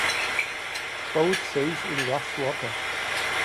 Boat sails in rough water.